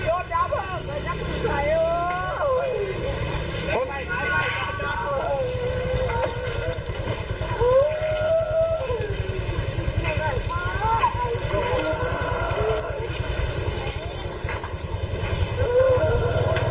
โอ้โหเห็นแล้วก็เสียเทินใจค่ะคุณผู้ชม